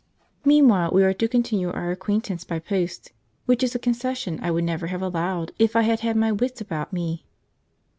Meanwhile, we are to continue our acquaintance by post, which is a concession I would never have allowed if I had had my wits about me.